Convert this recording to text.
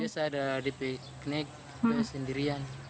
iya biasa ada di piknik sendirian